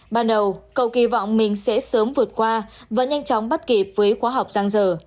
ban đầu cầu kỳ vọng mình sẽ sớm vượt qua và nhanh chóng bắt kịp với khóa học giang dở